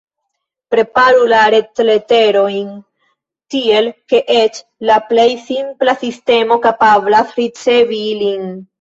Preparu la retleterojn tiel, ke eĉ la plej simpla sistemo kapablas ricevi ilin.